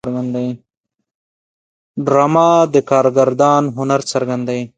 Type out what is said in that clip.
ډرامه د کارگردان هنر څرګندوي